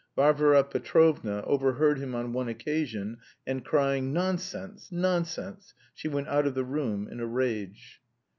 Varvara Petrovna overheard him on one occasion, and crying, "Nonsense, nonsense!" she went out of the room in a rage.